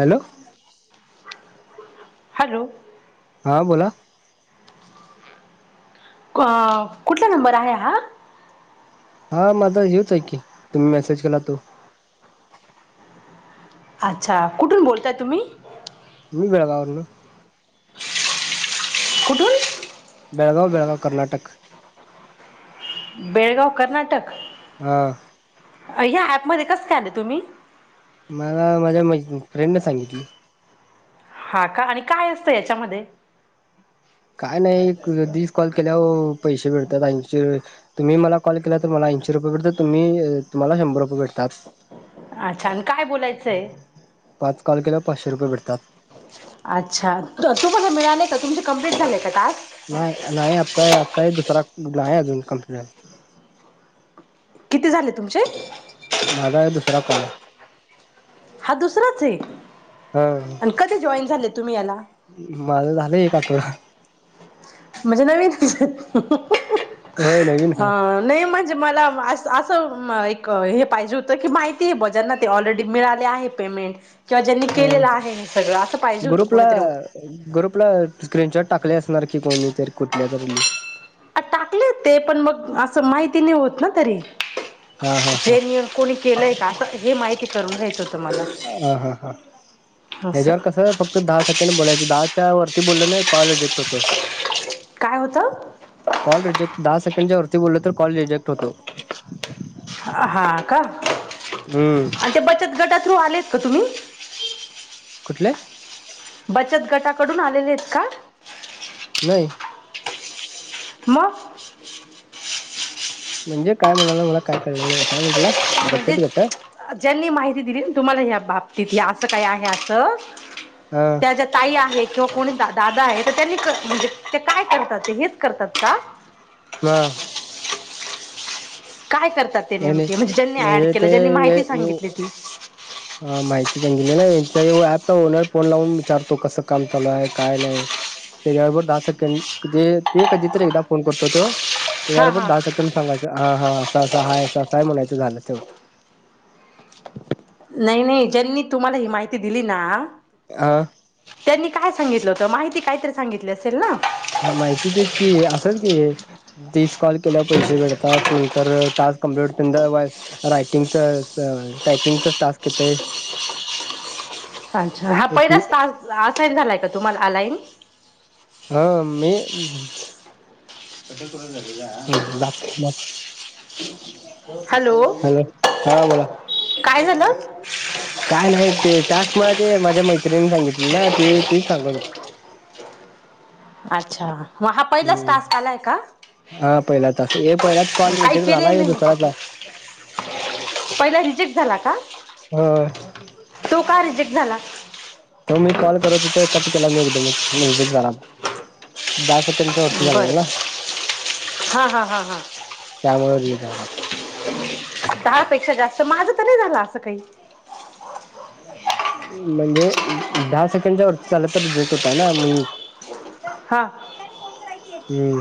Hello hello हा बोला अ कुठला नंबर आहे हा? हा माझा हेच ऐ की तुम्ही मेसेज केला तो अच्छा तुम्ही भेलावर ना [unintelligible] कुठून [inaudible] बेळगाव कर्नाटक. हा. हया ऍपमध्ये कसं काय आले तुम्ही. मला माझ्या फ्रेंडने सांगितली. हा का आणि काय असतं याच्यामध्ये. काय नाही कधीही कॉल केल्यावर पैसे भेटतात ऐंशी तुम्ही मला कॉल केला तर मला ऐंशी रुपये भेटतात तुम्ही तुम्हाला शंभर रुपये भेटतात. अच्छा आणि काय बोलायचंय. पाच कॉल केल्यावर पाचशे रुपये भेटतात. अच्छा त तुम्हाला मिळालेय का तुमची कंप्लेट झाले का टास्क. नाही नाही आता आताही दुसरा. आहे अजून कपंलिंट. किती झाले तुमचे. माझा दुसरा कॉल आहे हा दुसराच ये आणि हा कधी जॉईन झाले तुम्ही याला. माझं झालं एक आठवडा. म्हणजे नवीन की. होय नवीन हाय. म्हणजे मला असं एक हे पाहिजे होत की माहिती जे ब्या आहे. ते ऑलरेडी मिळाले आहे पेमेंट. किंवा ज्यांनी अ केलेलं आहे हे सगळं असं पाहिजे होतं ग्रुपला कोणीतरी ग्रुपला स्क्रीनशॉट टाकले, असणार की कोणी. तर कुठल्या तरी. अ टाकलेत ते पण मग असं माहिती नाही होत, ना तरी. हा हा हा जेन्युन कोणी केलंय का हा असं हे माहिती करून घ्यायचं होतं मला हा हा असं हेच्यावर कस फक्त दहा सेकंड बोलायचं दहा. त्या वरती बोललं ना कॉल रीजेक्ट होतो. काय होतं कॉल रिजेक्ट दहा सेकंडच्या वर ते बोलल तर कॉल रिजेक्ट होतो. हा का. हम्म आणि ते बचत गटा थ्रू आलेत. कतुम [unintelligible] कुठले. बचत गटाकडून आलेलेत का? नाही. मग. म्हणजे काय म्हणाला मला काय कळलं नाही काय म्हटला. म्हणजे बचत गट हा ज्यांनी माहिती दिली तुम्हाला या बाब तीतल असं काय आहे असं. त्या जा ताई आहेत. किंवा कोणी दादा आहे तर त्यांनी म्हणजे ते काय करतात हेच करतात का. हा काय करतात ते नाही नाही नेमके म्हणजे ज्यांनी ऍड म्हणजे केलं ज्यांनी माहिती सांगितली ती. ह माहिती सांगितली ना ऍपचा ओनर फोन लावून विचारतो कस काम चालू आहे काय नाही त्याच्याबरोबर दहा सेकंड ते कधीतरी एकदा फोन करतो तो हा यार पर हा. दहा सकड सागायच हा हा [unintelligible] ससा हाय ससाय म्हणायचं झालं तेव नाही नाही ज्यांनी तुम्हाला ही माहिती दिली ना हा त्यांनी काय सांगितलं? माहिती कायतरी सांगितली असेल ना? हा माहिती तेच की, अस की तीच कॉल केल्या पैसे भेटतात तर टास्क कमप्लीट रायटिंगच टायपिंगच टास्क येतय अच्छा, हा ती पहिलाच टास्क असाईन झालाय का तुम्हाला आलईन्स हा मी [unintelligible] हॅलो हा बोला काय झालं? काय नाही ते? टास्क मला ते माझ्या मैत्रिणीनिने सांगितले ना ते तेच सांग अच्छा मग हा पहिलाच टास्क आलाय का? हम्म हा पहिलाच हे पहिलाच कॉल काही रिटेक्ट झाला केलेलं आहे नाही मी दुसरा - त्याच्यात. पहिला रिजेक्ट झाला का? हो तो का रिजेक्ट झाला? तो मी कॉल करत कट केला मी एकदम नाही [unintelligible] [unintelligible] च्या वरती बरं झालेलं ना बरं हा हा हा हा. त्यामुळे दहा पेक्षा जास्त माझं तर नाही झालं असं काही म्हणजे दहा सेकंडच्या वरती झालं तर रिजेक्ट होतय ना म हां हम्म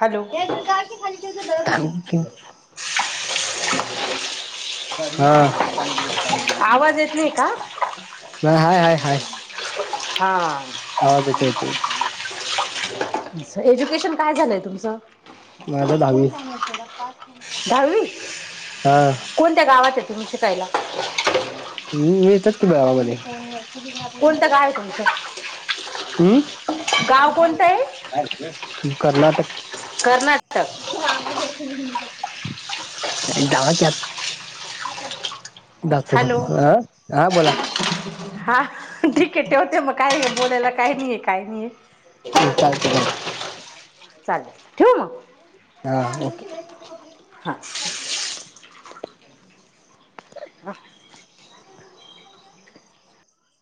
हॅलो ये तू जा की खाली [inaudible] हा काम करून आवाज येत नाही का नाही हाय हाय हाय हा आवाज येतंय एज्युकेशन काय झालंय तुमचं? माझ दहावी तुला पाच दहावी? कोणत्या गावात ये तुन शिकायला हा येत्यात की गावामध्ये होय होय कोणतं गाव आहे तुमचं हम्म गाव कोणतं आहे [unintelligible] कर्नाटक कर्नाटक हा [unintelligible] [unintelligible] जातो हॅलो जातो अ हा बोला हा ठीक आहे ठेवते मग काय बोलायला काय नाहीय काय नाही आहे. हम्म चालत चालत चालेल ठेऊ मग हां ओके हा. [unintelligible] हा